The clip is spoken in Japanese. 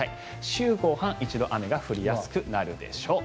週後半、一度雨が降りやすくなるでしょう。